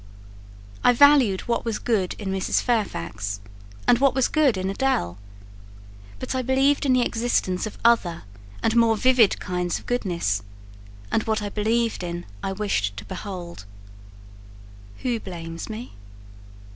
I valued what was good in Mrs. Fairfax, and what was good in Adèle; but I believed in the existence of other and more vivid kinds of goodness, and what I believed in I wished to behold. Who blames me?